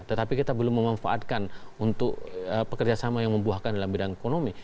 tetapi kita belum memanfaatkan untuk pekerja sama yang membuahkan dalam bidang ekonomi